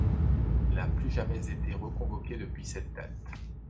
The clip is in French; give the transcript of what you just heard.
Il n'a plus jamais été reconvoqué depuis cette date.